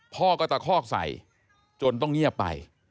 พ่อก็ตะคอกใส่จนต้องเงียบไป